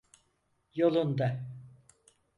Yolunda…